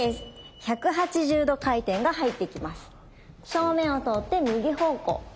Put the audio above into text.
正面を通って右方向。